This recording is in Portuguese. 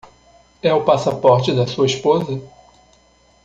É o passaporte da sua esposa?